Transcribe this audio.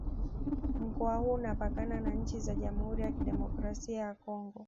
Mkoa huu unapakana na nchi za Jamhuri ya Kidemokrasi ya Kongo